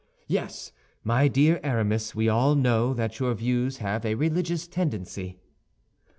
Yes, my dear Aramis, we all know that your views have a religious tendency."